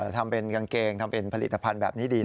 ทำเป็นกางเกงทำเป็นผลิตภัณฑ์แบบนี้ดี